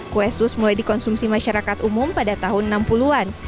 kue sus mulai dikonsumsi masyarakat umum pada tahun enam puluh an